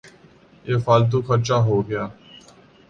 یہ فالتو خرچہ ہو گیا۔